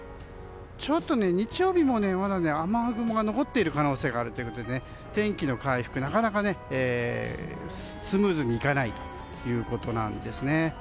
ちょっと日曜日もまだ雨雲が残っている可能性があるということで天気の回復、なかなかスムーズにいかないということなんです。